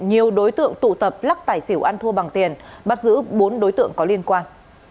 nhiều đối tượng tụ tập lắc tài xỉu ăn thua bằng tiền bắt giữ bốn đối tượng có liên quan